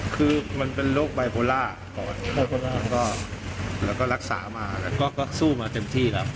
คือมันเป็นโรคไบโพล่าแล้วก็รักษามาแล้วก็สู้มาเต็มที่แล้ว